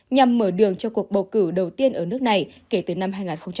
nhằm mở đường cho cuộc bầu cử đầu tiên ở nước này kể từ năm hai nghìn một mươi